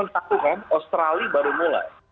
karena australia baru mulai